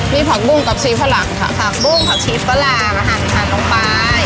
มีผักบุ้งกับชีฝรั่งค่ะผักบุ้งผักชีฝรั่งอาหารทานลงไป